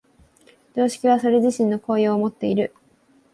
常識はそれ自身の効用をもっている。